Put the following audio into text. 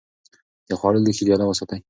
د خوړو لوښي جلا وساتئ.